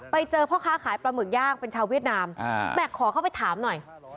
ไปเจอพ่อค้าขายปลาหมึกย่างเป็นชาวเวียดนามแม่ขอเข้าไปถามหน่อย